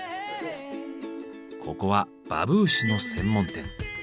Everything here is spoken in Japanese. ここはバブーシュの専門店。